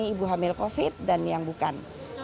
ibu hamil covid dan yang bukan